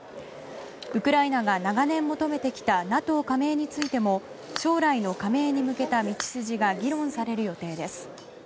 ウクライナが長年求めてきたＮＡＴＯ加盟についても将来の加盟に向けた道筋が議論される予定です。